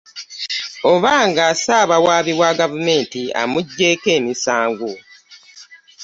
Oba nga ssaabawaabi wa gavumenti amuggyeeko emisango